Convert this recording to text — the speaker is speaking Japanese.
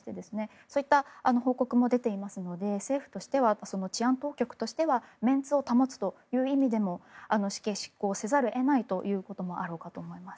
そういった報告も出ていますので政府としては治安当局としてはメンツを保つという意味でも死刑執行をせざるを得ないということもあろうかと思います。